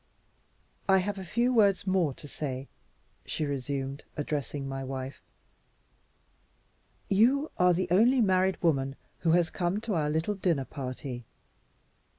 "I have a few words more to say," she resumed, addressing my wife. "You are the only married woman who has come to our little dinner party.